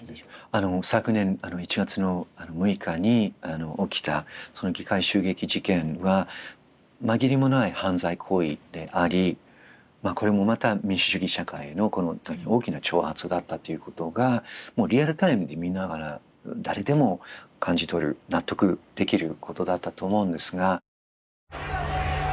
あの昨年１月の６日に起きたその議会襲撃事件は紛れもない犯罪行為でありこれもまた民主主義社会への大きな挑発だったっていうことがもうリアルタイムで見ながら誰でも感じ取る納得できることだったと思うんですが。